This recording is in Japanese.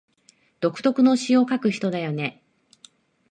独特の詩を書く人だよね